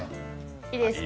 いいですか？